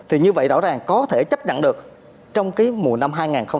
thì như vậy rõ ràng có thể chấp nhận được trong cái mùa năm hai nghìn hai mươi bốn